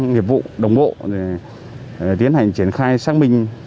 nghiệp vụ đồng bộ để tiến hành triển khai xác minh